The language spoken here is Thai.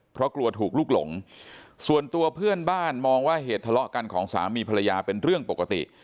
เพราะกลัวถูกลุกหลงส่วนตัวเพื่อนบ้านมองว่าเหตุทะเลาะกันของสามีภรรยาเป็นเรื่องปกติ